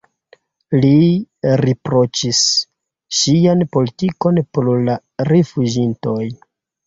Li riproĉis ŝian politikon por la rifuĝintoj.